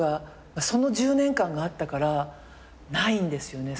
まあその１０年間があったからないんですよね